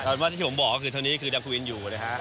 แต่ว่าที่ผมบอกก็คือเท่านี้คือยังคุยกันอยู่นะฮะ